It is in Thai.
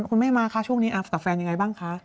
คุณแม่มาคะช่วงนี้กับแฟนยังไงบ้างคะ